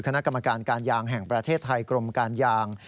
คกยแห่งประเทศไทยกรมการยาง